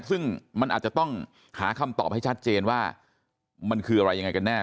ซึ่งมันอาจจะต้องหาคำตอบให้ชัดเจนว่ามันคืออะไรยังไงกันแน่